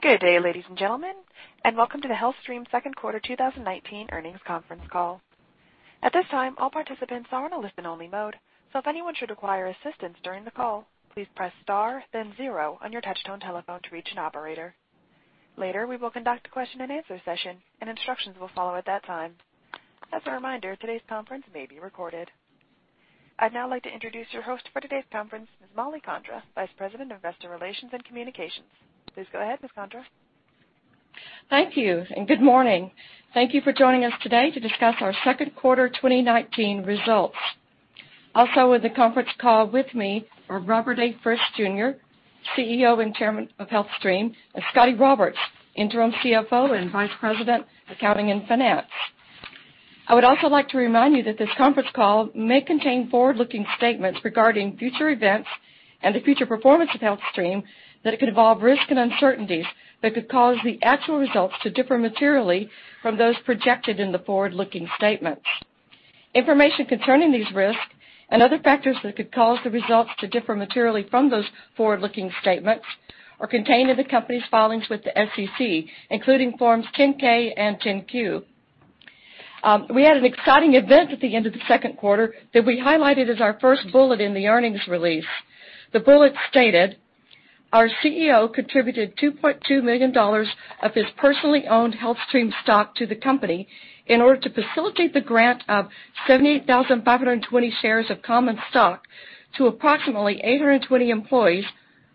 Good day, ladies and gentlemen, and welcome to the HealthStream second quarter 2019 earnings conference call. At this time, all participants are in a listen-only mode, so if anyone should require assistance during the call, please press star then zero on your touch-tone telephone to reach an operator. Later, we will conduct a question and answer session, and instructions will follow at that time. As a reminder, today's conference may be recorded. I'd now like to introduce your host for today's conference, Ms. Mollie Condra, Vice President of Investor Relations and Communications. Please go ahead, Ms. Condra. Thank you, and good morning. Thank you for joining us today to discuss our second quarter 2019 results. Also on the conference call with me are Robert A. Frist Jr., CEO and Chairman of HealthStream, and Scott Roberts, Interim CFO and Vice President of Accounting and Finance. I would also like to remind you that this conference call may contain forward-looking statements regarding future events and the future performance of HealthStream that could involve risks and uncertainties that could cause the actual results to differ materially from those projected in the forward-looking statements. Information concerning these risks and other factors that could cause the results to differ materially from those forward-looking statements are contained in the company's filings with the SEC, including Forms 10-K and 10-Q. We had an exciting event at the end of the second quarter that we highlighted as our first bullet in the earnings release. The bullet stated, "Our CEO contributed $2.2 million of his personally owned HealthStream stock to the company in order to facilitate the grant of 78,520 shares of common stock to approximately 820 employees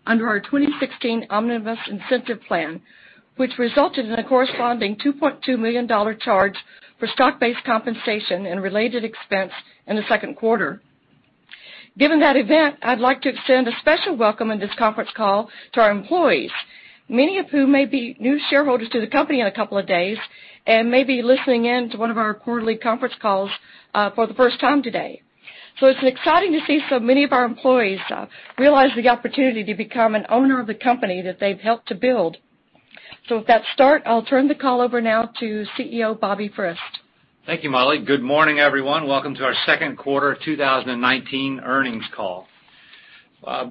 under our 2016 Omnibus Incentive Plan, which resulted in a corresponding $2.2 million charge for stock-based compensation and related expense in the second quarter." Given that event, I'd like to extend a special welcome on this conference call to our employees, many of whom may be new shareholders to the company in a couple of days and may be listening in to one of our quarterly conference calls for the first time today. It's exciting to see so many of our employees realize the opportunity to become an owner of the company that they've helped to build. With that start, I'll turn the call over now to CEO Bobby Frist. Thank you, Mollie. Good morning, everyone. Welcome to our second quarter 2019 earnings call. Our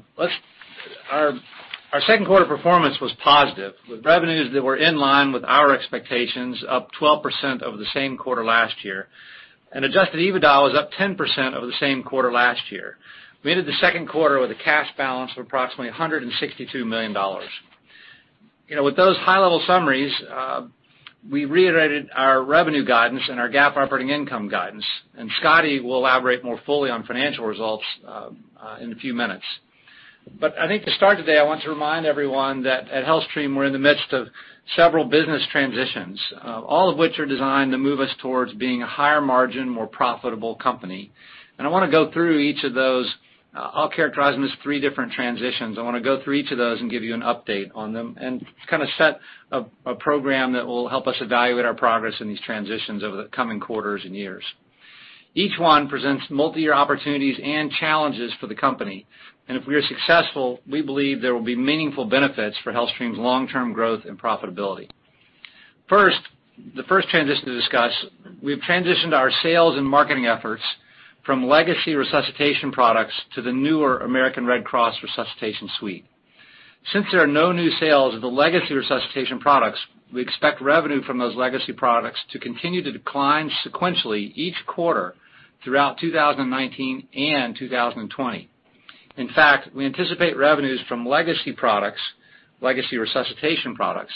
second quarter performance was positive, with revenues that were in line with our expectations, up 12% over the same quarter last year. Adjusted EBITDA was up 10% over the same quarter last year. We ended the second quarter with a cash balance of approximately $162 million. With those high-level summaries, we reiterated our revenue guidance and our GAAP operating income guidance. Scottie will elaborate more fully on financial results in a few minutes. I think to start today, I want to remind everyone that at HealthStream, we're in the midst of several business transitions, all of which are designed to move us towards being a higher margin, more profitable company. I want to go through each of those. I'll characterize them as three different transitions. I want to go through each of those and give you an update on them and kind of set a program that will help us evaluate our progress in these transitions over the coming quarters and years. Each one presents multi-year opportunities and challenges for the company, and if we are successful, we believe there will be meaningful benefits for HealthStream's long-term growth and profitability. The first transition to discuss, we've transitioned our sales and marketing efforts from legacy resuscitation products to the newer American Red Cross Resuscitation Suite. Since there are no new sales of the legacy resuscitation products, we expect revenue from those legacy products to continue to decline sequentially each quarter throughout 2019 and 2020. We anticipate revenues from legacy products, legacy resuscitation products,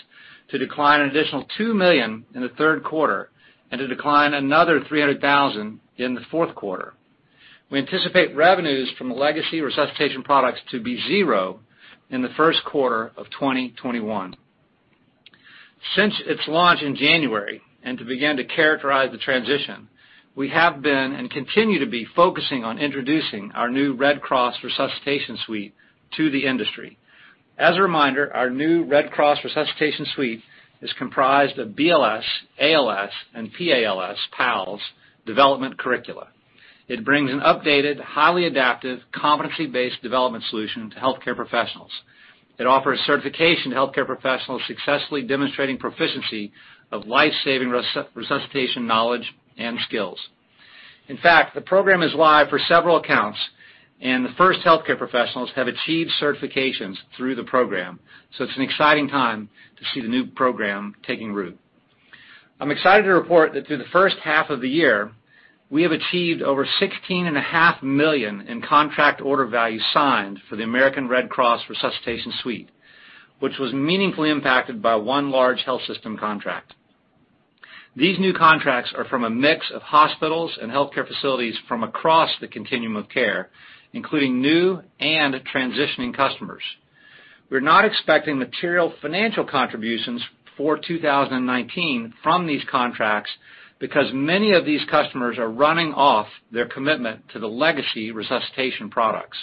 to decline an additional $2 million in the third quarter and to decline another $300,000 in the fourth quarter. We anticipate revenues from legacy resuscitation products to be zero in the first quarter of 2021. Since its launch in January, and to begin to characterize the transition, we have been and continue to be focusing on introducing our new Red Cross Resuscitation Suite to the industry. As a reminder, our new Red Cross Resuscitation Suite is comprised of BLS, ALS, and PALS development curricula. It brings an updated, highly adaptive, competency-based development solution to healthcare professionals. It offers certification to healthcare professionals successfully demonstrating proficiency of life-saving resuscitation knowledge and skills. In fact, the program is live for several accounts, and the first healthcare professionals have achieved certifications through the program. It's an exciting time to see the new program taking root. I'm excited to report that through the first half of the year, we have achieved over $16.5 million in contract order value signed for the American Red Cross Resuscitation Suite, which was meaningfully impacted by one large health system contract. These new contracts are from a mix of hospitals and healthcare facilities from across the continuum of care, including new and transitioning customers. We're not expecting material financial contributions for 2019 from these contracts because many of these customers are running off their commitment to the legacy resuscitation products.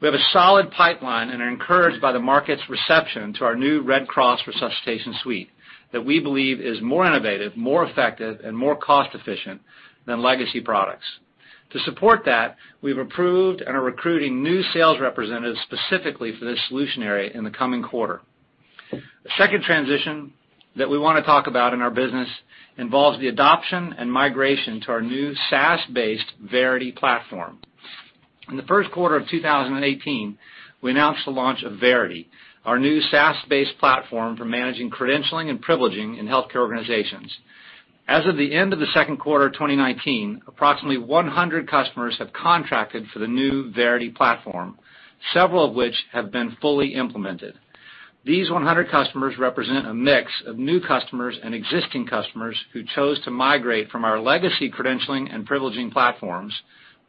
We have a solid pipeline and are encouraged by the market's reception to our new Red Cross Resuscitation Suite that we believe is more innovative, more effective, and more cost-efficient than legacy products. To support that, we've approved and are recruiting new sales representatives specifically for this solution area in the coming quarter. The second transition that we want to talk about in our business involves the adoption and migration to our new SaaS-based Verity platform. In the first quarter of 2018, we announced the launch of Verity, our new SaaS-based platform for managing credentialing and privileging in healthcare organizations. As of the end of the second quarter of 2019, approximately 100 customers have contracted for the new Verity platform, several of which have been fully implemented. These 100 customers represent a mix of new customers and existing customers who chose to migrate from our legacy credentialing and privileging platforms,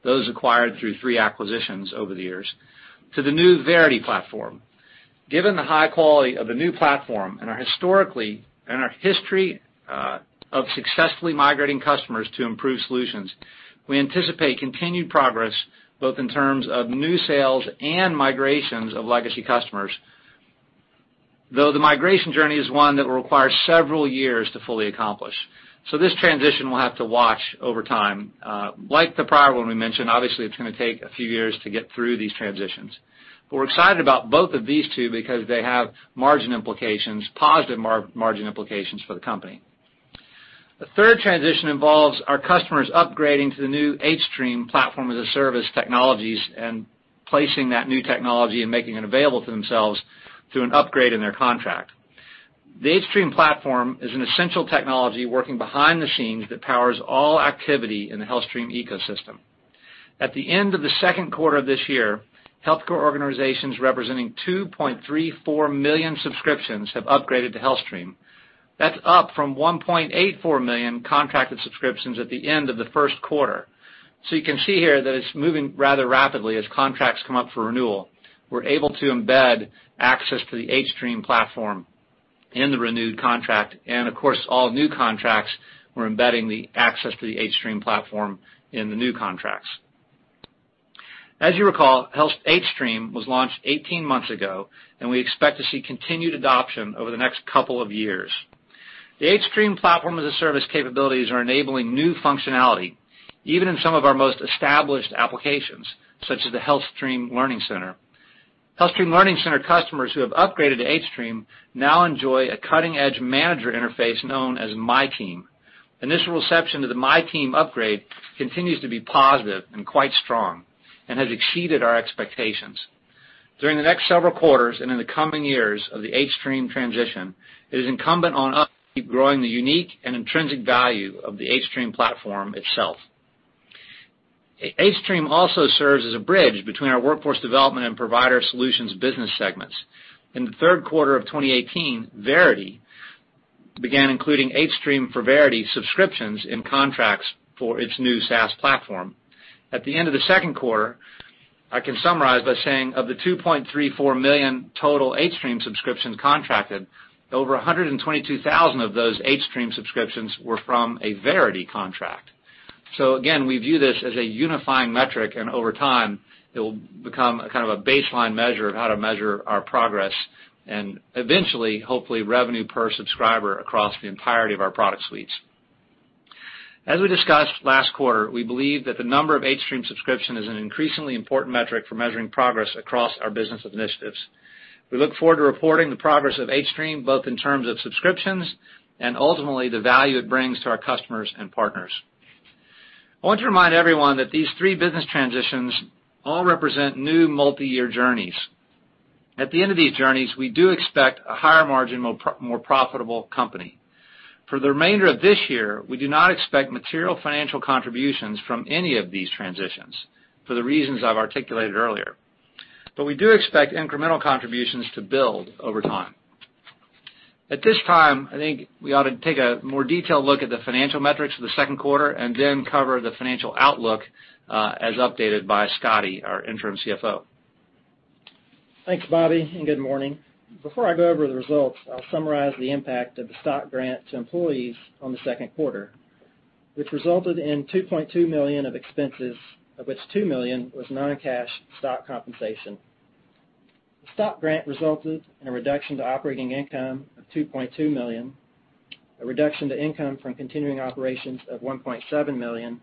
those acquired through three acquisitions over the years, to the new Verity platform. Given the high quality of the new platform and our history of successfully migrating customers to improve solutions, we anticipate continued progress both in terms of new sales and migrations of legacy customers, though the migration journey is one that will require several years to fully accomplish. This transition we'll have to watch over time. Like the prior one we mentioned, obviously, it's going to take a few years to get through these transitions. We're excited about both of these two because they have margin implications, positive margin implications for the company. The third transition involves our customers upgrading to the new hStream platform as a service technologies and placing that new technology and making it available to themselves through an upgrade in their contract. The hStream platform is an essential technology working behind the scenes that powers all activity in the HealthStream ecosystem. At the end of the second quarter of this year, healthcare organizations representing 2.34 million subscriptions have upgraded to HealthStream. That's up from 1.84 million contracted subscriptions at the end of the first quarter. You can see here that it's moving rather rapidly as contracts come up for renewal. We're able to embed access to the hStream platform in the renewed contract, and of course, all new contracts, we're embedding the access to the hStream platform in the new contracts. As you recall, hStream was launched 18 months ago, and we expect to see continued adoption over the next couple of years. The hStream platform as a service capabilities are enabling new functionality, even in some of our most established applications, such as the HealthStream Learning Center. HealthStream Learning Center customers who have upgraded to hStream now enjoy a cutting-edge manager interface known as MyTeam. Initial reception to the MyTeam upgrade continues to be positive and quite strong and has exceeded our expectations. During the next several quarters and in the coming years of the hStream transition, it is incumbent on us to keep growing the unique and intrinsic value of the hStream platform itself. hStream also serves as a bridge between our workforce development and Provider Solutions business segments. In the third quarter of 2018, Verity began including hStream for Verity subscriptions in contracts for its new SaaS platform. At the end of the second quarter, I can summarize by saying of the 2.34 million total hStream subscriptions contracted, over 122,000 of those hStream subscriptions were from a Verity contract. Again, we view this as a unifying metric, and over time, it will become a baseline measure of how to measure our progress and eventually, hopefully, revenue per subscriber across the entirety of our product suites. As we discussed last quarter, we believe that the number of hStream subscription is an increasingly important metric for measuring progress across our business initiatives. We look forward to reporting the progress of hStream, both in terms of subscriptions and ultimately the value it brings to our customers and partners. I want to remind everyone that these three business transitions all represent new multiyear journeys. At the end of these journeys, we do expect a higher margin, more profitable company. For the remainder of this year, we do not expect material financial contributions from any of these transitions for the reasons I've articulated earlier. We do expect incremental contributions to build over time. At this time, I think we ought to take a more detailed look at the financial metrics for the second quarter and then cover the financial outlook as updated by Scotty, our interim CFO. Thanks, Bobby, and good morning. Before I go over the results, I will summarize the impact of the stock grant to employees on the second quarter, which resulted in $2.2 million of expenses, of which $2 million was non-cash stock compensation. The stock grant resulted in a reduction to operating income of $2.2 million, a reduction to income from continuing operations of $1.7 million,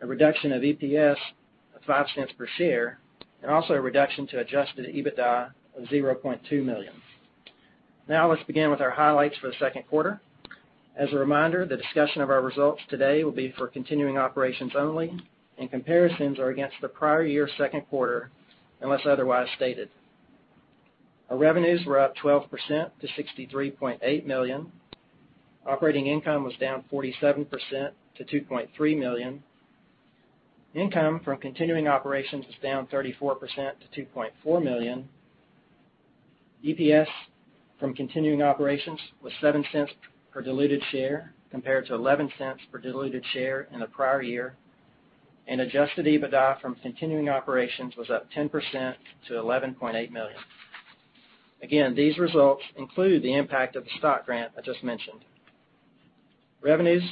a reduction of EPS of $0.05 per share, and also a reduction to adjusted EBITDA of $0.2 million. Now let's begin with our highlights for the second quarter. As a reminder, the discussion of our results today will be for continuing operations only, and comparisons are against the prior year second quarter, unless otherwise stated. Our revenues were up 12% to $63.8 million. Operating income was down 47% to $2.3 million. Income from continuing operations was down 34% to $2.4 million. EPS from continuing operations was $0.07 per diluted share compared to $0.11 per diluted share in the prior year. Adjusted EBITDA from continuing operations was up 10% to $11.8 million. Again, these results include the impact of the stock grant I just mentioned. Revenues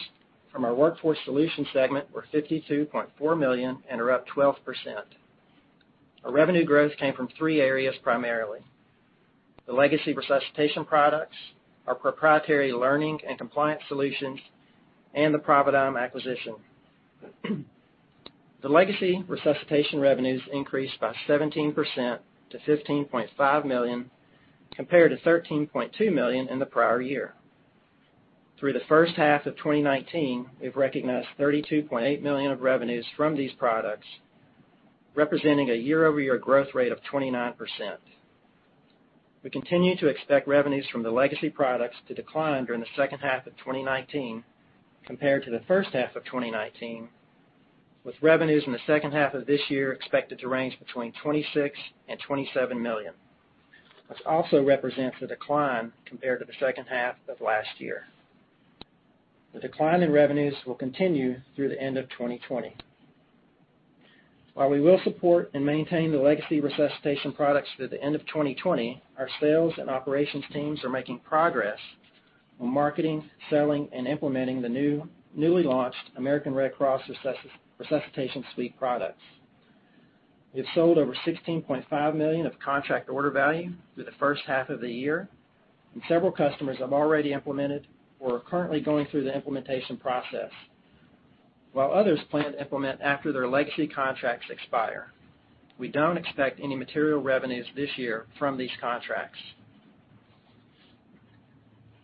from our Workforce Solutions segment were $52.4 million and are up 12%. Our revenue growth came from three areas primarily, the legacy resuscitation products, our proprietary learning and compliance solutions, and the Providigm acquisition. The legacy resuscitation revenues increased by 17% to $15.5 million compared to $13.2 million in the prior year. Through the first half of 2019, we've recognized $32.8 million of revenues from these products, representing a year-over-year growth rate of 29%. We continue to expect revenues from the legacy products to decline during the second half of 2019 compared to the first half of 2019, with revenues in the second half of this year expected to range between $26 million and $27 million. This also represents a decline compared to the second half of last year. The decline in revenues will continue through the end of 2020. While we will support and maintain the legacy resuscitation products through the end of 2020, our sales and operations teams are making progress on marketing, selling, and implementing the newly launched American Red Cross Resuscitation Suite products. We have sold over $16.5 million of contract order value through the first half of the year, and several customers have already implemented or are currently going through the implementation process, while others plan to implement after their legacy contracts expire. We don't expect any material revenues this year from these contracts.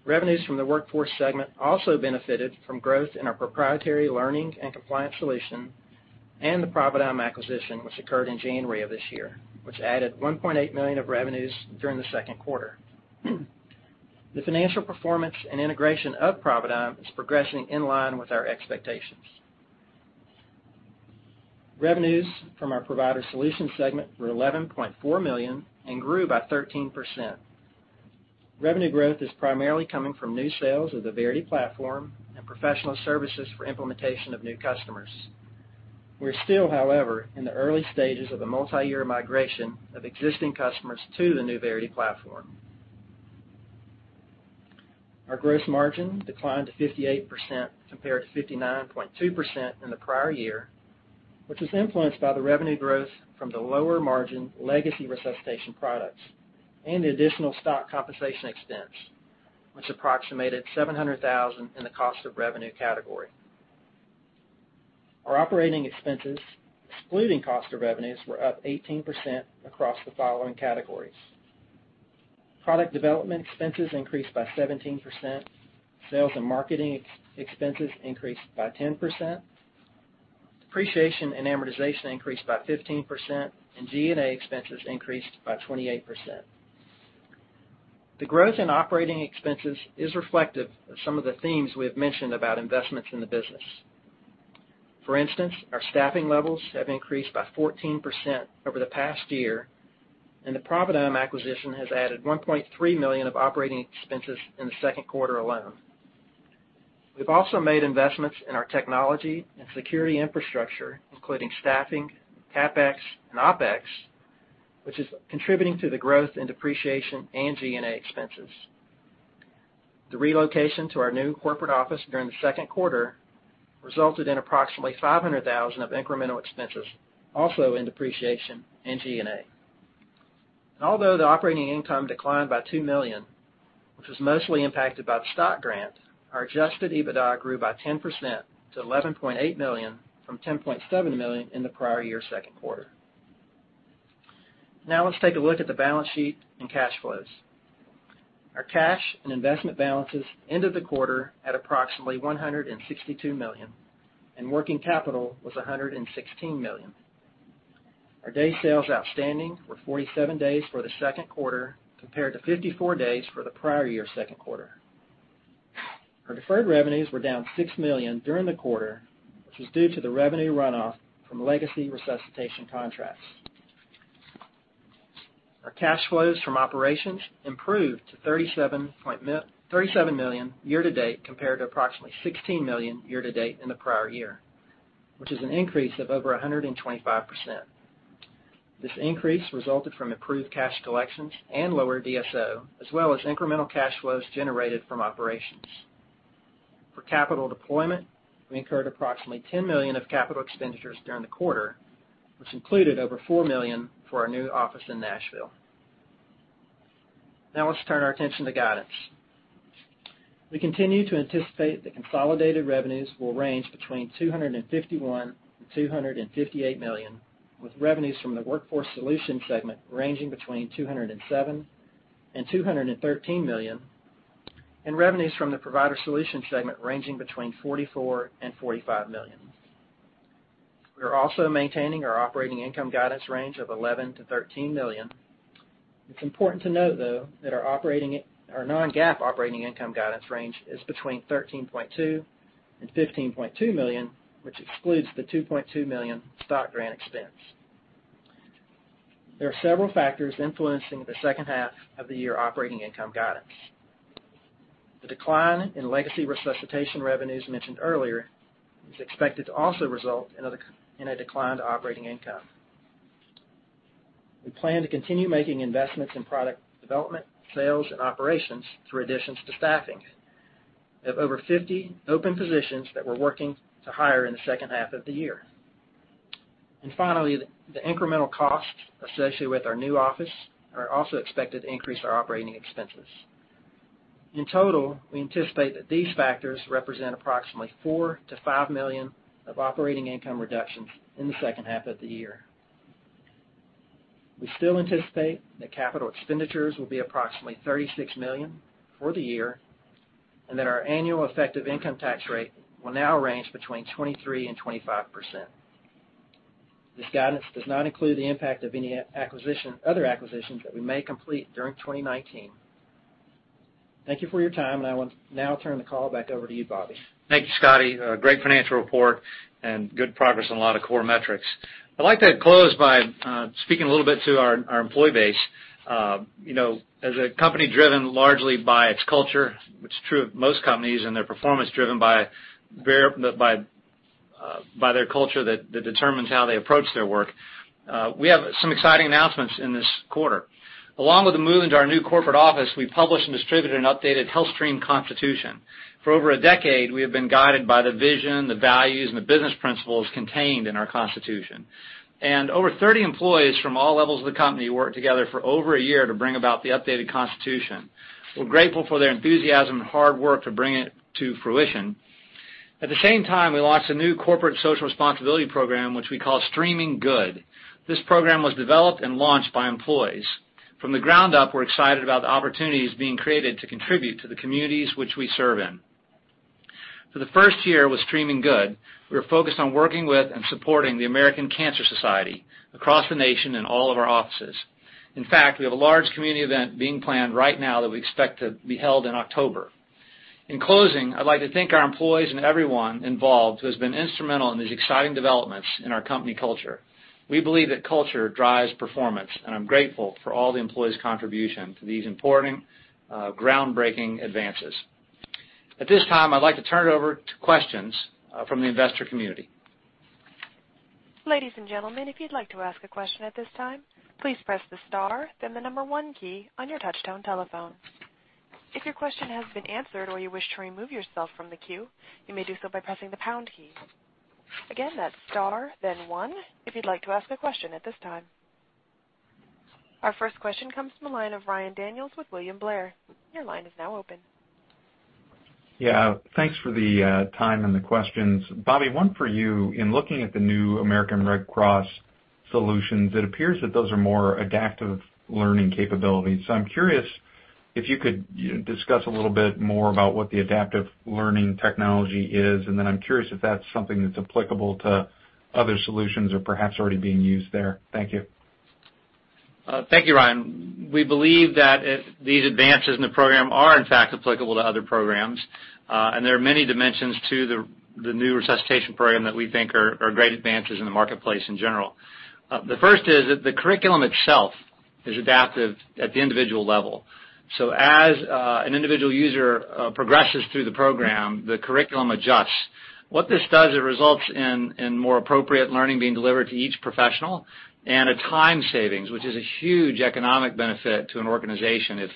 Revenues from the Workforce segment also benefited from growth in our proprietary learning and compliance solution and the Providigm acquisition, which occurred in January of this year, which added $1.8 million of revenues during the second quarter. The financial performance and integration of Providigm is progressing in line with our expectations. Revenues from our Provider Solutions segment were $11.4 million and grew by 13%. Revenue growth is primarily coming from new sales of the Verity platform and professional services for implementation of new customers. We're still, however, in the early stages of a multi-year migration of existing customers to the new Verity platform. Our gross margin declined to 58% compared to 59.2% in the prior year, which was influenced by the revenue growth from the lower margin legacy resuscitation products and the additional stock compensation expense, which approximated $700,000 in the cost of revenue category. Our operating expenses, excluding cost of revenues, were up 18% across the following categories. Product development expenses increased by 17%, sales and marketing expenses increased by 10%, depreciation and amortization increased by 15%, and G&A expenses increased by 28%. The growth in operating expenses is reflective of some of the themes we have mentioned about investments in the business. For instance, our staffing levels have increased by 14% over the past year, and the Providigm acquisition has added $1.3 million of operating expenses in the second quarter alone. We've also made investments in our technology and security infrastructure, including staffing, CapEx, and OpEx, which is contributing to the growth in depreciation and G&A expenses. The relocation to our new corporate office during the second quarter resulted in approximately $500,000 of incremental expenses, also in depreciation and G&A. Although the operating income declined by $2 million, which was mostly impacted by the stock grant, our adjusted EBITDA grew by 10% to $11.8 million from $10.7 million in the prior year second quarter. Now let's take a look at the balance sheet and cash flows. Our cash and investment balances ended the quarter at approximately $162 million, and working capital was $116 million. Our day sales outstanding were 47 days for the second quarter, compared to 54 days for the prior year second quarter. Our deferred revenues were down $6 million during the quarter, which was due to the revenue runoff from legacy resuscitation contracts. Our cash flows from operations improved to $37 million year-to-date compared to approximately $16 million year-to-date in the prior year, which is an increase of over 125%. This increase resulted from improved cash collections and lower DSO, as well as incremental cash flows generated from operations. For capital deployment, we incurred approximately $10 million of capital expenditures during the quarter, which included over $4 million for our new office in Nashville. Let's turn our attention to guidance. We continue to anticipate that consolidated revenues will range between $251 million-$258 million, with revenues from the Workforce Solutions segment ranging between $207 million-$213 million, and revenues from the Provider Solutions segment ranging between $44 million-$45 million. We are also maintaining our operating income guidance range of $11 million-$13 million. It's important to note, though, that our non-GAAP operating income guidance range is between $13.2 million and $15.2 million, which excludes the $2.2 million stock grant expense. There are several factors influencing the second half of the year operating income guidance. The decline in legacy resuscitation revenues mentioned earlier is expected to also result in a decline to operating income. We plan to continue making investments in product development, sales, and operations through additions to staffing. We have over 50 open positions that we're working to hire in the second half of the year. Finally, the incremental costs associated with our new office are also expected to increase our operating expenses. In total, we anticipate that these factors represent approximately $4 million-$5 million of operating income reductions in the second half of the year. We still anticipate that capital expenditures will be approximately $36 million for the year, and that our annual effective income tax rate will now range between 23% and 25%. This guidance does not include the impact of any other acquisitions that we may complete during 2019. Thank you for your time, and I will now turn the call back over to you, Bobby. Thank you, Scotty. Great financial report and good progress on a lot of core metrics. I'd like to close by speaking a little bit to our employee base. As a company driven largely by its culture, which is true of most companies, and their performance driven by their culture that determines how they approach their work, we have some exciting announcements in this quarter. Along with the move into our new corporate office, we published and distributed an updated HealthStream Constitution. For over a decade, we have been guided by the vision, the values, and the business principles contained in our Constitution. Over 30 employees from all levels of the company worked together for over a year to bring about the updated Constitution. We're grateful for their enthusiasm and hard work to bring it to fruition. At the same time, we launched a new corporate social responsibility program, which we call Streaming Good. This program was developed and launched by employees. From the ground up, we're excited about the opportunities being created to contribute to the communities which we serve in. For the first year with Streaming Good, we are focused on working with and supporting the American Cancer Society across the nation in all of our offices. We have a large community event being planned right now that we expect to be held in October. In closing, I'd like to thank our employees and everyone involved who has been instrumental in these exciting developments in our company culture. We believe that culture drives performance. I'm grateful for all the employees' contribution to these important groundbreaking advances. At this time, I'd like to turn it over to questions from the investor community. Ladies and gentlemen, if you'd like to ask a question at this time, please press the star then the number one key on your touchtone telephone. If your question has been answered or you wish to remove yourself from the queue, you may do so by pressing the pound key. Again, that's star then one if you'd like to ask a question at this time. Our first question comes from the line of Ryan Daniels with William Blair. Your line is now open. Yeah, thanks for the time and the questions. Bobby, one for you. In looking at the new American Red Cross solutions, it appears that those are more adaptive learning capabilities. I'm curious if you could discuss a little bit more about what the adaptive learning technology is, and then I'm curious if that's something that's applicable to other solutions or perhaps already being used there. Thank you. Thank you, Ryan. We believe that these advances in the program are in fact applicable to other programs. There are many dimensions to the new resuscitation program that we think are great advances in the marketplace in general. The first is that the curriculum itself is adaptive at the individual level. As an individual user progresses through the program, the curriculum adjusts. What this does, it results in more appropriate learning being delivered to each professional and a time savings, which is a huge economic benefit to an organization. If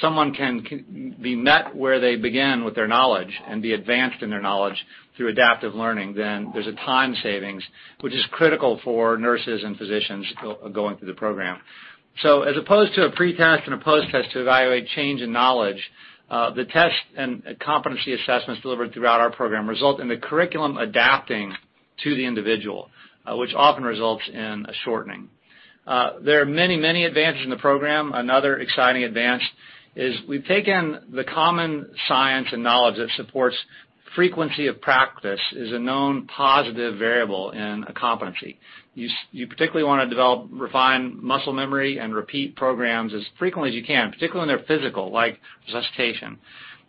someone can be met where they begin with their knowledge and be advanced in their knowledge through adaptive learning, then there's a time savings, which is critical for nurses and physicians going through the program. As opposed to a pre-test and a post-test to evaluate change in knowledge, the test and competency assessments delivered throughout our program result in the curriculum adapting to the individual, which often results in a shortening. There are many advantages in the program. Another exciting advantage is we've taken the common science and knowledge that supports frequency of practice is a known positive variable in a competency. You particularly want to develop refined muscle memory and repeat programs as frequently as you can, particularly when they're physical, like resuscitation.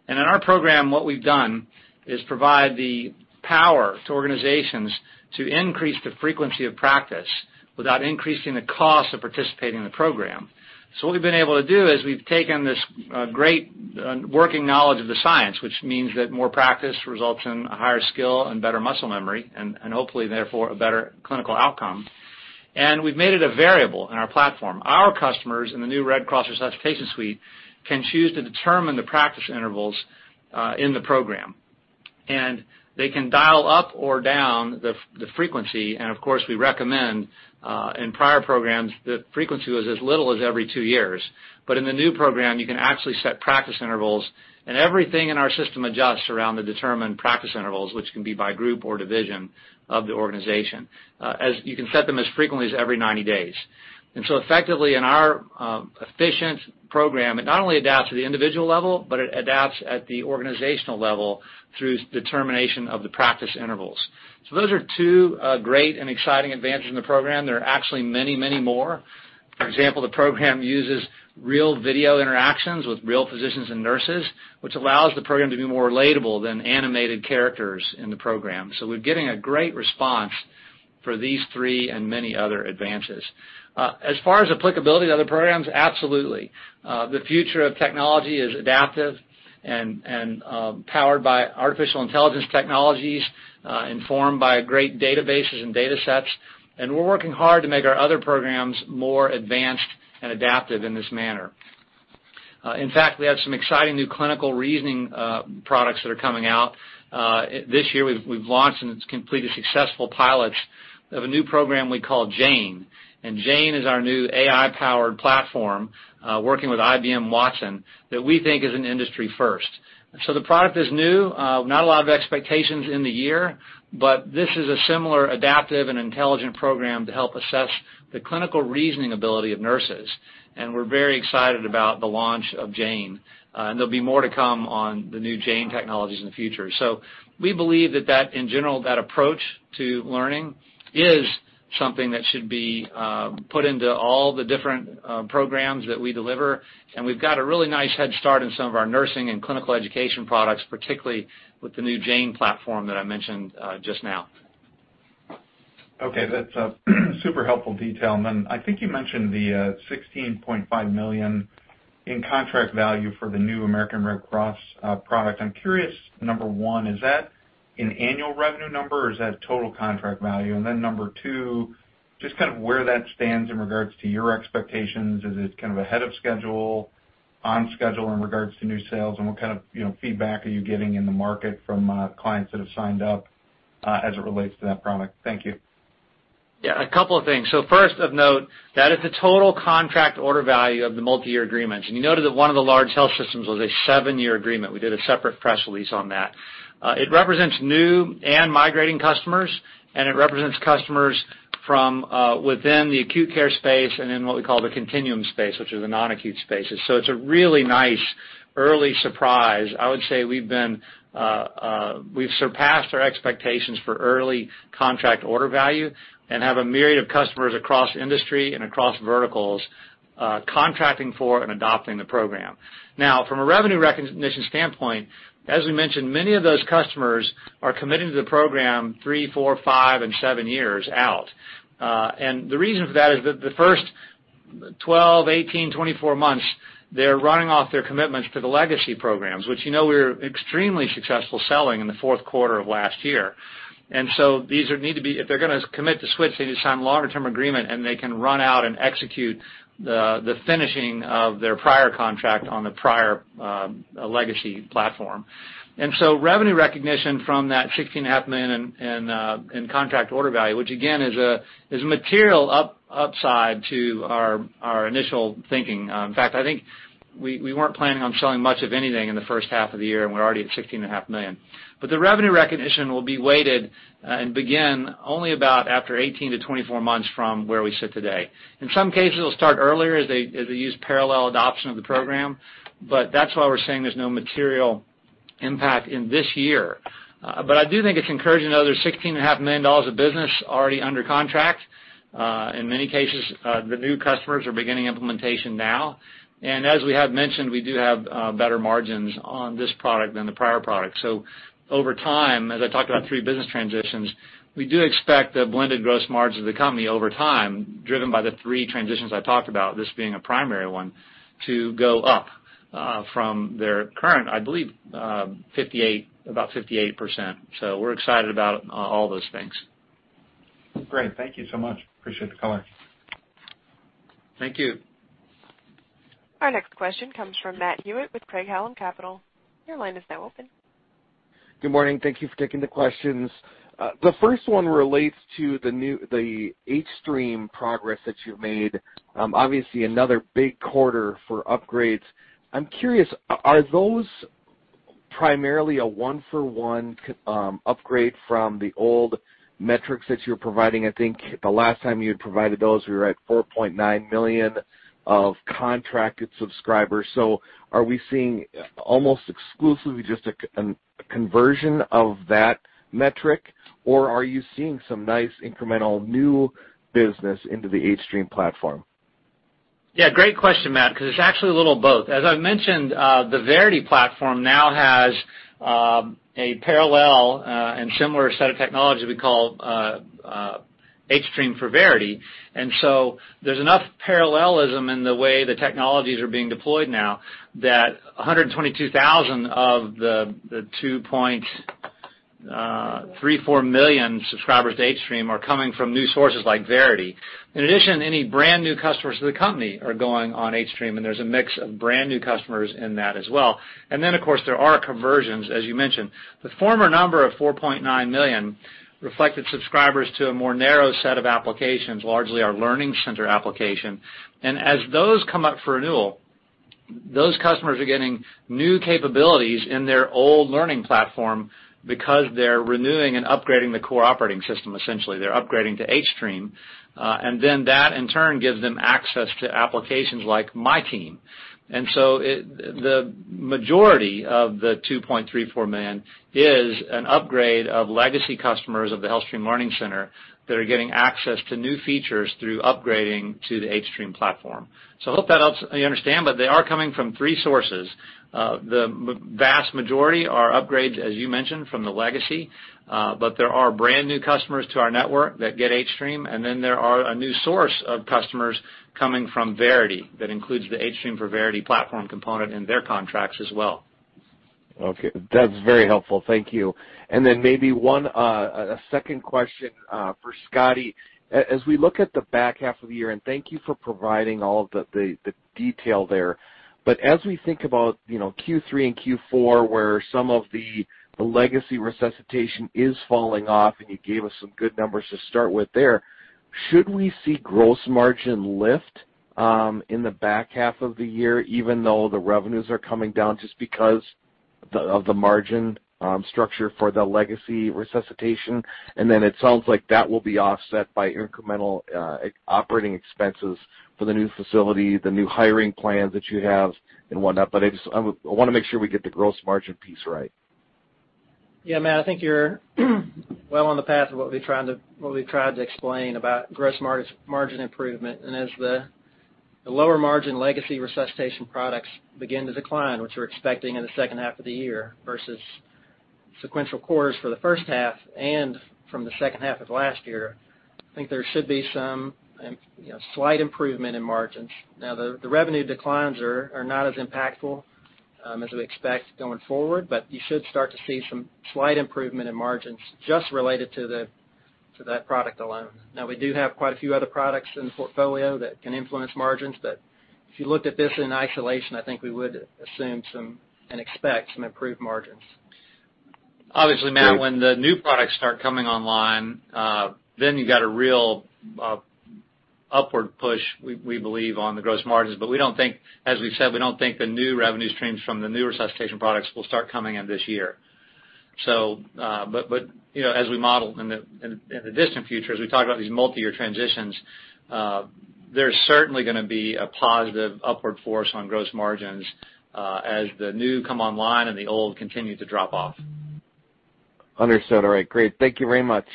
In our program, what we've done is provide the power to organizations to increase the frequency of practice without increasing the cost of participating in the program. What we've been able to do is we've taken this great working knowledge of the science, which means that more practice results in a higher skill and better muscle memory, and hopefully, therefore, a better clinical outcome. We've made it a variable in our platform. Our customers in the new Red Cross Resuscitation Suite can choose to determine the practice intervals in the program, and they can dial up or down the frequency. Of course, we recommend, in prior programs, the frequency was as little as every two years. In the new program, you can actually set practice intervals, and everything in our system adjusts around the determined practice intervals, which can be by group or division of the organization. You can set them as frequently as every 90 days. Effectively in our efficient program, it not only adapts to the individual level, but it adapts at the organizational level through determination of the practice intervals. Those are two great and exciting advantages in the program. There are actually many more. For example, the program uses real video interactions with real physicians and nurses, which allows the program to be more relatable than animated characters in the program. We're getting a great response for these three and many other advances. As far as applicability to other programs, absolutely. The future of technology is adaptive and powered by artificial intelligence technologies, informed by great databases and data sets, and we're working hard to make our other programs more advanced and adaptive in this manner. In fact, we have some exciting new clinical reasoning products that are coming out. This year we've launched and completed successful pilots of a new program we call Jane. Jane is our new AI-powered platform, working with IBM Watson, that we think is an industry first. The product is new, not a lot of expectations in the year, but this is a similar adaptive and intelligent program to help assess the clinical reasoning ability of nurses. We're very excited about the launch of Jane. There'll be more to come on the new Jane technologies in the future. We believe that in general, that approach to learning is something that should be put into all the different programs that we deliver. We've got a really nice head start in some of our nursing and clinical education products, particularly with the new Jane platform that I mentioned just now. Okay, that's a super helpful detail. I think you mentioned the $16.5 million in contract value for the new American Red Cross product. I'm curious, number 1, is that an annual revenue number, or is that total contract value? Number 2, just where that stands in regards to your expectations. Is it kind of ahead of schedule, on schedule in regards to new sales, and what kind of feedback are you getting in the market from clients that have signed up, as it relates to that product? Thank you. Yeah, a couple of things. First of note, that is the total contract order value of the multi-year agreements. You noted that one of the large health systems was a seven-year agreement. We did a separate press release on that. It represents new and migrating customers, and it represents customers from within the acute care space and in what we call the continuum space, which is the non-acute spaces. It's a really nice early surprise. I would say we've surpassed our expectations for early contract order value and have a myriad of customers across industry and across verticals, contracting for and adopting the program. Now, from a revenue recognition standpoint, as we mentioned, many of those customers are committing to the program three, four, five, and seven years out. The reason for that is that the first 12, 18, 24 months, they're running off their commitments to the legacy programs, which you know we were extremely successful selling in the fourth quarter of last year. If they're going to commit to switch, they need to sign longer term agreement, and they can run out and execute the finishing of their prior contract on the prior legacy platform. Revenue recognition from that 16 and a half million in contract order value, which again, is a material upside to our initial thinking. In fact, I think we weren't planning on selling much of anything in the first half of the year, and we're already at 16 and a half million. The revenue recognition will be weighted and begin only about after 18 to 24 months from where we sit today. In some cases, it'll start earlier as they use parallel adoption of the program, that's why we're saying there's no material impact in this year. I do think it's encouraging to know there's $16.5 million of business already under contract. In many cases, the new customers are beginning implementation now. As we have mentioned, we do have better margins on this product than the prior product. Over time, as I talked about three business transitions, we do expect the blended gross margins of the company over time, driven by the three transitions I talked about, this being a primary one, to go up from their current, I believe about 58%. We're excited about all those things. Great. Thank you so much. Appreciate the color. Thank you. Our next question comes from Matt Hewitt with Craig-Hallum Capital. Your line is now open. Good morning. Thank you for taking the questions. The first one relates to the hStream progress that you've made. Obviously, another big quarter for upgrades. I'm curious, are those primarily a one for one upgrade from the old metrics that you're providing? I think the last time you had provided those, we were at 4.9 million of contracted subscribers. Are we seeing almost exclusively just a conversion of that metric, or are you seeing some nice incremental new business into the hStream platform? Yeah, great question, Matt, because it's actually a little of both. As I've mentioned, the Verity platform now has a parallel, and similar set of technology we call hStream for Verity. There's enough parallelism in the way the technologies are being deployed now that 122,000 of the 2.34 million subscribers to hStream are coming from new sources like Verity. In addition, any brand new customers to the company are going on hStream, and there's a mix of brand new customers in that as well. Of course, there are conversions, as you mentioned. The former number of 4.9 million reflected subscribers to a more narrow set of applications, largely our Learning Center application. As those come up for renewal, those customers are getting new capabilities in their old learning platform because they're renewing and upgrading the core operating system, essentially. They're upgrading to hStream. That in turn, gives them access to applications like MyTeam. The majority of the $2.34 million is an upgrade of legacy customers of the HealthStream Learning Center that are getting access to new features through upgrading to the hStream platform. I hope that helps you understand, but they are coming from three sources. The vast majority are upgrades, as you mentioned, from the legacy. There are brand new customers to our network that get hStream, and then there are a new source of customers coming from Verity. That includes the hStream for Verity platform component in their contracts as well. Okay. That's very helpful. Thank you. Maybe a second question, for Scotty. As we look at the back half of the year, and thank you for providing all of the detail there, but as we think about Q3 and Q4, where some of the legacy resuscitation is falling off, and you gave us some good numbers to start with there, should we see gross margin lift in the back half of the year even though the revenues are coming down just because of the margin structure for the legacy resuscitation? Then it sounds like that will be offset by incremental operating expenses for the new facility, the new hiring plans that you have and whatnot. I want to make sure we get the gross margin piece right. Yeah, Matt, I think you're well on the path of what we've tried to explain about gross margin improvement. As the lower margin legacy resuscitation products begin to decline, which we're expecting in the second half of the year versus sequential quarters for the first half and from the second half of last year, I think there should be some slight improvement in margins. Now, the revenue declines are not as impactful as we expect going forward. You should start to see some slight improvement in margins just related to that product alone. Now we do have quite a few other products in the portfolio that can influence margins. If you looked at this in isolation, I think we would assume some and expect some improved margins. Obviously, Matt Hewitt, when the new products start coming online, then you got a real upward push, we believe, on the gross margins. We don't think, as we've said, we don't think the new revenue streams from the new resuscitation products will start coming in this year. As we model in the distant future, as we talk about these multi-year transitions, there's certainly going to be a positive upward force on gross margins as the new come online and the old continue to drop off. Understood. All right, great. Thank you very much.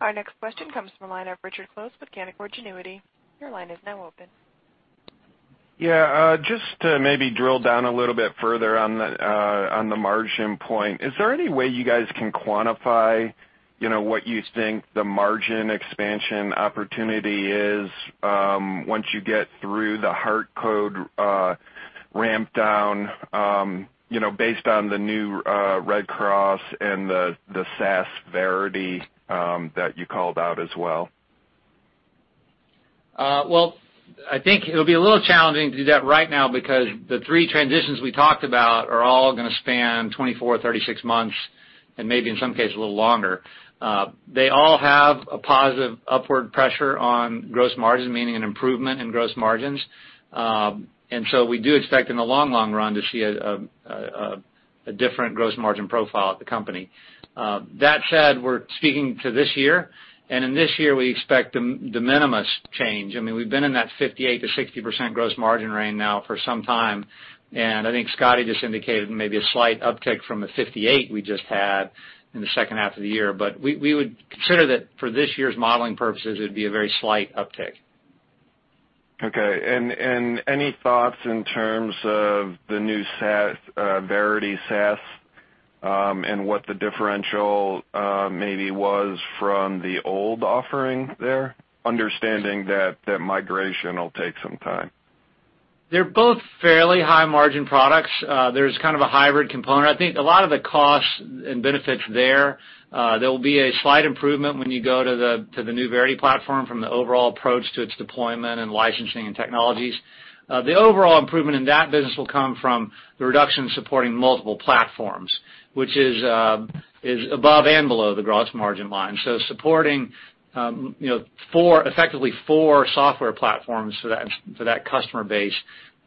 Our next question comes from the line of Richard Close with Canaccord Genuity. Your line is now open. Yeah, just to maybe drill down a little bit further on the margin point, is there any way you guys can quantify what you think the margin expansion opportunity is once you get through the HeartCode ramp down based on the new Red Cross and the SaaS Verity that you called out as well? Well, I think it'll be a little challenging to do that right now because the three transitions we talked about are all going to span 24 or 36 months, and maybe in some cases, a little longer. They all have a positive upward pressure on gross margin, meaning an improvement in gross margins. We do expect in the long, long run to see a different gross margin profile at the company. That said, we're speaking to this year, and in this year, we expect de minimis change. We've been in that 58%-60% gross margin range now for some time, and I think Scotty just indicated maybe a slight uptick from the 58 we just had in the second half of the year. We would consider that for this year's modeling purposes, it would be a very slight uptick. Okay. Any thoughts in terms of the new Verity SaaS, and what the differential maybe was from the old offering there, understanding that that migration will take some time? They're both fairly high margin products. There's kind of a hybrid component. I think a lot of the costs and benefits there'll be a slight improvement when you go to the new Verity platform from the overall approach to its deployment and licensing and technologies. The overall improvement in that business will come from the reduction supporting multiple platforms, which is above and below the gross margin line. Supporting effectively four software platforms for that customer base,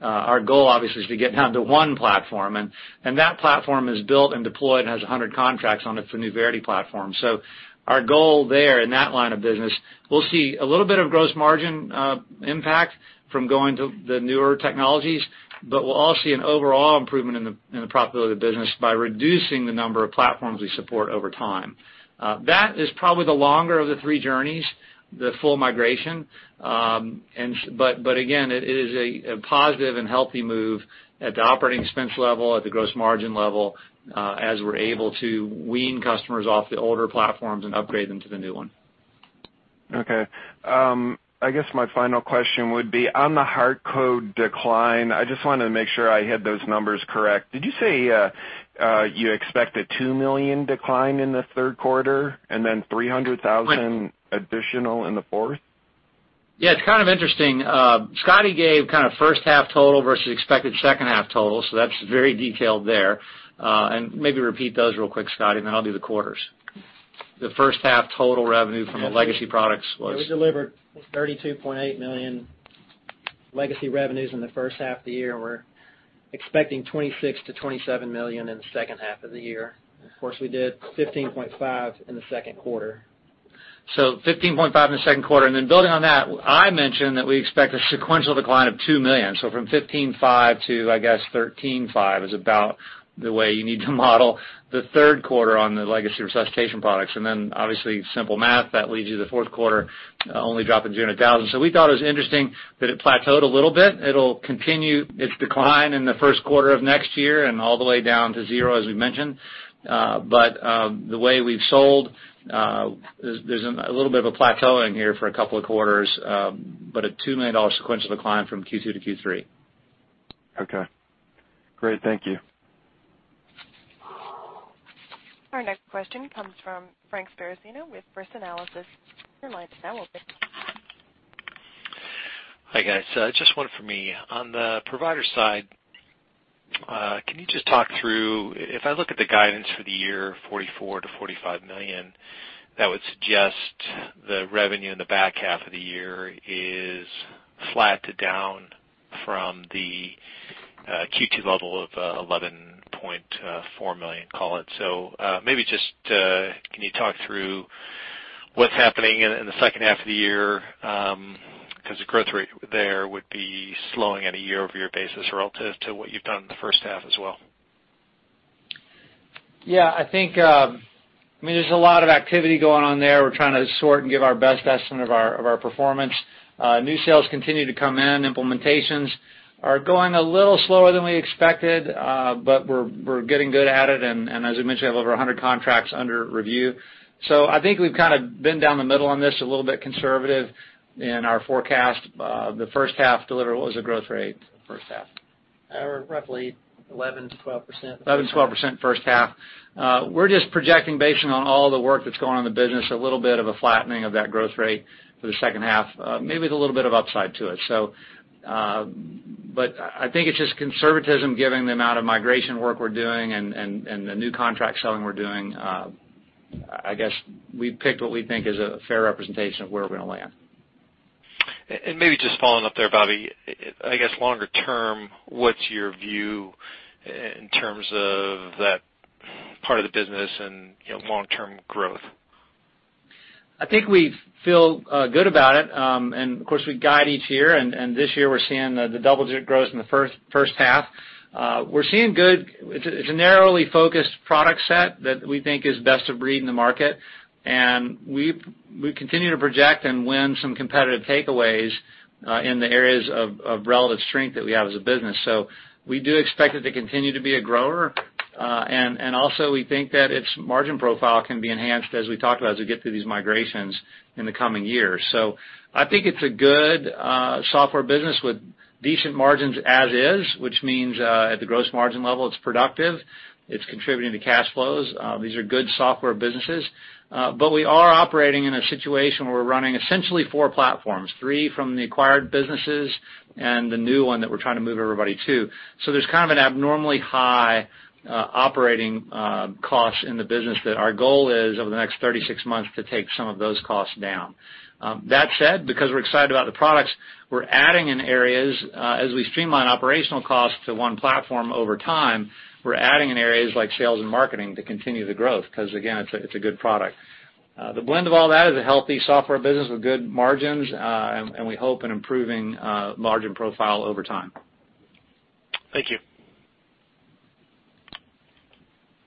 our goal obviously, is to get down to one platform, and that platform is built and deployed and has 100 contracts on it for new Verity platform. Our goal there in that line of business, we'll see a little bit of gross margin impact from going to the newer technologies, but we'll all see an overall improvement in the profitability of the business by reducing the number of platforms we support over time. That is probably the longer of the three journeys, the full migration. Again, it is a positive and healthy move at the OpEx level, at the gross margin level, as we're able to wean customers off the older platforms and upgrade them to the new one. Okay. I guess my final question would be on the HeartCode decline, I just wanted to make sure I had those numbers correct. Did you say you expect a $2 million decline in the third quarter and then $300,000 additional in the fourth? Yeah, it's kind of interesting. Scotty gave kind of first half total versus expected second half total, so that's very detailed there. Maybe repeat those real quick, Scotty, and then I'll do the quarters. The first half total revenue from the legacy products was? We delivered $32.8 million legacy revenues in the first half of the year. We're expecting $26 million-$27 million in the second half of the year. Of course, we did $15.5 million in the second quarter. 15.5 in the second quarter, and then building on that, I mentioned that we expect a sequential decline of $2 million. From 15.5 to, I guess, 13.5 is about the way you need to model the third quarter on the legacy resuscitation products. Then obviously, simple math, that leads you to the fourth quarter only dropping $200,000. We thought it was interesting that it plateaued a little bit. It'll continue its decline in the first quarter of next year and all the way down to zero, as we mentioned. The way we've sold, there's a little bit of a plateauing here for a couple of quarters, but a $2 million sequential decline from Q2 to Q3. Okay. Great. Thank you. Our next question comes from Frank Sparacino with First Analysis. Your line is now open. Hi, guys. Just one for me. On the provider side, can you just talk through, if I look at the guidance for the year, $44 million-$45 million, that would suggest the revenue in the back half of the year is flat to down from the Q2 level of $11.4 million. Maybe just can you talk through what's happening in the second half of the year? Because the growth rate there would be slowing at a year-over-year basis relative to what you've done in the first half as well. Yeah. I think there's a lot of activity going on there. We're trying to sort and give our best estimate of our performance. New sales continue to come in. Implementations are going a little slower than we expected, but we're getting good at it, and as we mentioned, we have over 100 contracts under review. I think we've kind of been down the middle on this, a little bit conservative in our forecast. The first half deliverable as a growth rate, first half. Roughly 11%-12%. 11%, 12% first half. We're just projecting, based on all the work that's going on in the business, a little bit of a flattening of that growth rate for the second half. Maybe with a little bit of upside to it. I think it's just conservatism given the amount of migration work we're doing and the new contract selling we're doing. I guess we picked what we think is a fair representation of where we're going to land. Maybe just following up there, Bobby, I guess, longer term, what's your view in terms of that part of the business and long-term growth? I think we feel good about it. Of course, we guide each year, and this year we're seeing the double-digit growth in the first half. It's a narrowly focused product set that we think is best of breed in the market, and we continue to project and win some competitive takeaways in the areas of relative strength that we have as a business. We do expect it to continue to be a grower. Also we think that its margin profile can be enhanced as we talked about, as we get through these migrations in the coming years. I think it's a good software business with decent margins as is, which means, at the gross margin level, it's productive, it's contributing to cash flows. These are good software businesses. We are operating in a situation where we're running essentially four platforms, three from the acquired businesses and the new one that we're trying to move everybody to. There's kind of an abnormally high operating cost in the business that our goal is, over the next 36 months, to take some of those costs down. That said, because we're excited about the products, as we streamline operational costs to one platform over time, we're adding in areas like sales and marketing to continue the growth, because again, it's a good product. The blend of all that is a healthy software business with good margins, and we hope an improving margin profile over time. Thank you.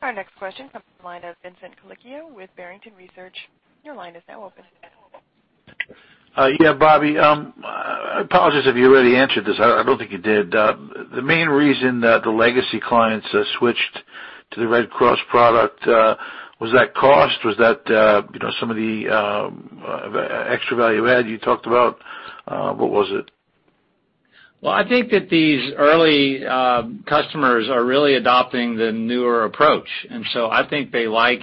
Our next question comes from the line of Vincent Colicchio with Barrington Research. Your line is now open. Yeah, Bobby, apologies if you already answered this. I don't think you did. The main reason that the legacy clients switched to the Red Cross product, was that cost? Was that some of the extra value add you talked about? What was it? I think that these early customers are really adopting the newer approach, and so I think they like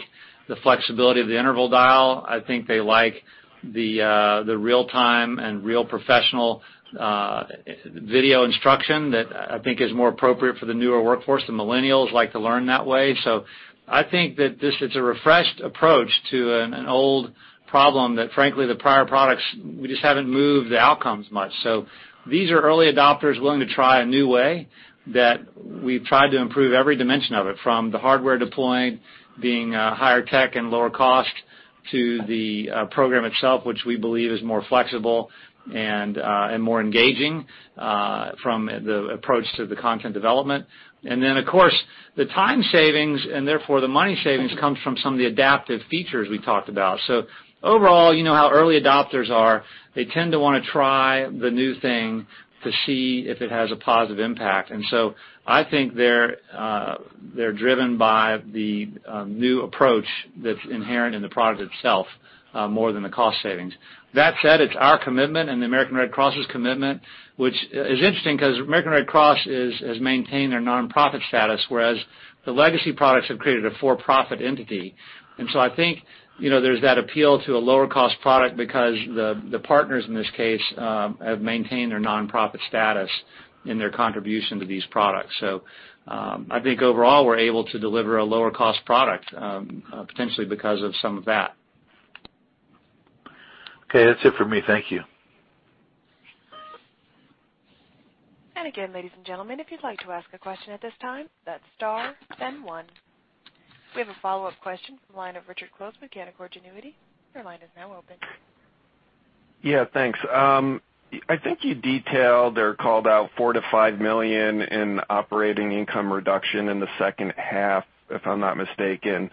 the flexibility of the interval dial. I think they like the real-time and real professional video instruction that I think is more appropriate for the newer workforce. The millennials like to learn that way. I think that this is a refreshed approach to an old problem that, frankly, the prior products, we just haven't moved the outcomes much. These are early adopters willing to try a new way that we've tried to improve every dimension of it, from the hardware deploying being higher tech and lower cost to the program itself, which we believe is more flexible and more engaging, from the approach to the content development. Then, of course, the time savings, and therefore the money savings, comes from some of the adaptive features we talked about. Overall, you know how early adopters are. They tend to want to try the new thing to see if it has a positive impact. I think they're driven by the new approach that's inherent in the product itself more than the cost savings. That said, it's our commitment and the American Red Cross' commitment, which is interesting because American Red Cross has maintained their nonprofit status, whereas the legacy products have created a for-profit entity. I think there's that appeal to a lower cost product because the partners in this case have maintained their nonprofit status in their contribution to these products. I think overall, we're able to deliver a lower cost product, potentially because of some of that. Okay. That's it for me. Thank you. Again, ladies and gentlemen, if you'd like to ask a question at this time, that's star then one. We have a follow-up question from the line of Richard Close with Canaccord Genuity. Your line is now open. Yeah, thanks. I think you detailed or called out $4 million-$5 million in operating income reduction in the second half, if I'm not mistaken,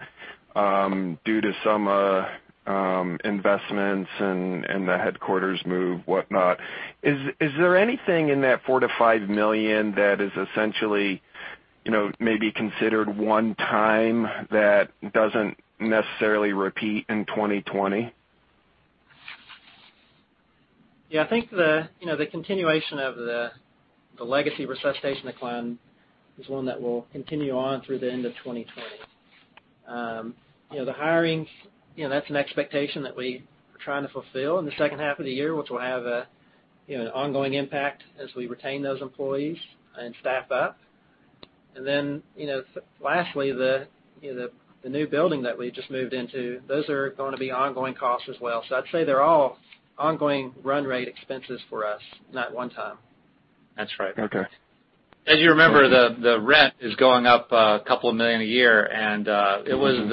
due to some investments and the headquarters move, whatnot. Is there anything in that $4 million-$5 million that is essentially maybe considered one time that doesn't necessarily repeat in 2020? Yeah, I think the continuation of the legacy resuscitation decline is one that will continue on through the end of 2020. The hiring, that's an expectation that we are trying to fulfill in the second half of the year, which will have an ongoing impact as we retain those employees and staff up. Lastly, the new building that we just moved into, those are going to be ongoing costs as well. I'd say they're all ongoing run rate expenses for us, not one time. That's right. Okay. As you remember, the rent is going up a couple of million a year, and it was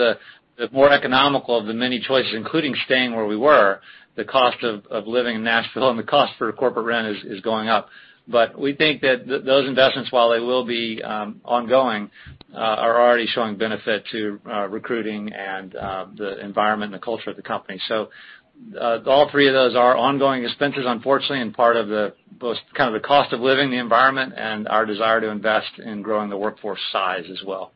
the more economical of the many choices, including staying where we were. The cost of living in Nashville and the cost for corporate rent is going up. We think that those investments, while they will be ongoing, are already showing benefit to recruiting and the environment and the culture of the company. All three of those are ongoing expenses, unfortunately, and part of both the cost of living, the environment, and our desire to invest in growing the workforce size as well.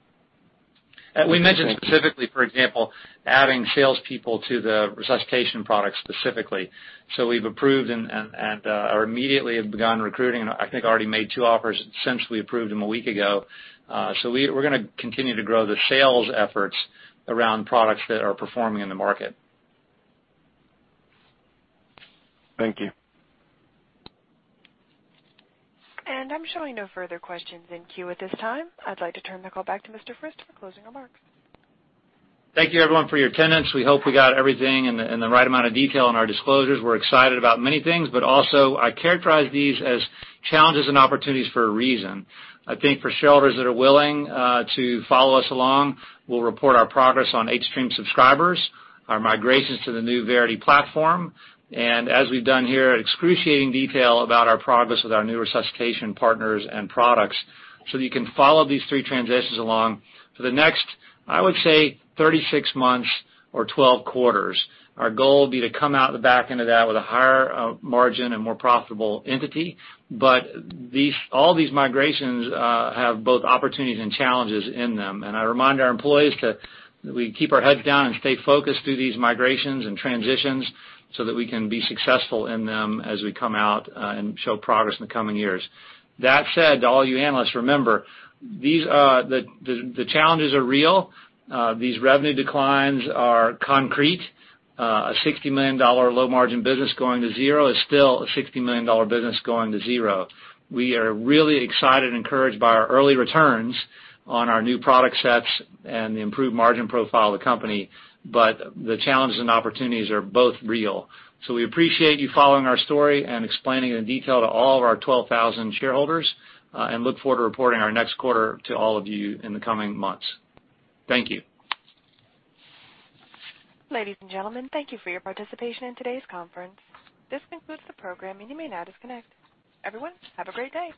We mentioned specifically, for example, adding salespeople to the resuscitation products specifically. We've approved and immediately have begun recruiting and I think already made two offers, essentially approved them a week ago. We're going to continue to grow the sales efforts around products that are performing in the market. Thank you. I'm showing no further questions in queue at this time. I'd like to turn the call back to Mr. Frist for closing remarks. Thank you everyone for your attendance. We hope we got everything in the right amount of detail in our disclosures. We're excited about many things, but also I characterize these as challenges and opportunities for a reason. I think for shareholders that are willing to follow us along, we'll report our progress on hStream subscribers, our migrations to the new Verity platform, and as we've done here, excruciating detail about our progress with our new resuscitation partners and products, so that you can follow these three transitions along for the next, I would say 36 months or 12 quarters. Our goal would be to come out the back end of that with a higher margin and more profitable entity. All these migrations have both opportunities and challenges in them. I remind our employees that we keep our heads down and stay focused through these migrations and transitions so that we can be successful in them as we come out and show progress in the coming years. That said, to all you analysts, remember, the challenges are real. These revenue declines are concrete. A $60 million low margin business going to zero is still a $60 million business going to zero. We are really excited and encouraged by our early returns on our new product sets and the improved margin profile of the company, but the challenges and opportunities are both real. We appreciate you following our story and explaining in detail to all of our 12,000 shareholders, and look forward to reporting our next quarter to all of you in the coming months. Thank you. Ladies and gentlemen, thank you for your participation in today's conference. This concludes the program, and you may now disconnect. Everyone, have a great day.